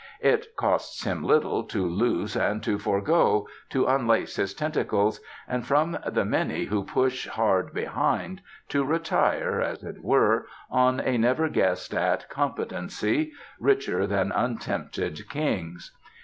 It costs him little to loose and to forego, to unlace his tentacles, and from the many who push hard behind, to retire, as it were, on a never guessed at competency, "richer than untempted kings."